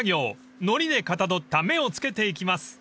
［のりでかたどった目をつけていきます］